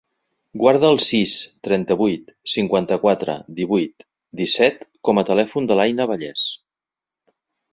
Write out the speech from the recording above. Guarda el sis, trenta-vuit, cinquanta-quatre, divuit, disset com a telèfon de l'Aïna Valles.